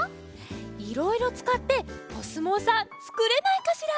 いろいろつかっておすもうさんつくれないかしら？